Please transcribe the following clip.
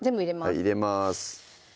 はい入れます